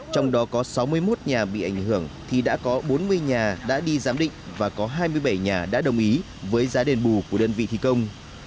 trong đó có sáu mươi một nhà bị ảnh hưởng thì đã có bốn mươi nhà đã đi giám định và có hai mươi bảy nhà đã đồng ý với giá đền bù của đơn vị thi công